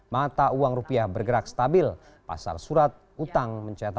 mata uang rupiah bergerak stabil pasar surat utang